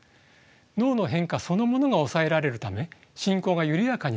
脳の変化そのものが抑えられるため進行が緩やかになります。